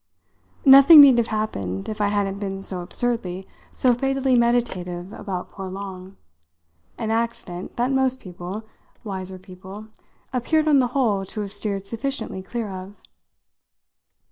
Nothing need have happened if I hadn't been so absurdly, so fatally meditative about poor Long an accident that most people, wiser people, appeared on the whole to have steered sufficiently clear of.